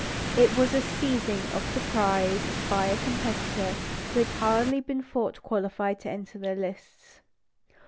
It was a seizing of the prize by a competitor who had hardly been thought qualified to enter the lists.